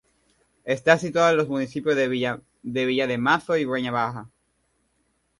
Está situado en los municipios de Villa de Mazo y Breña Baja.